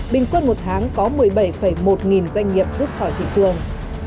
bình quân một tháng có một mươi bảy một nghìn doanh nghiệp rút khỏi thị trường